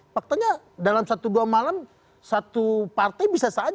faktanya dalam satu dua malam satu partai bisa saja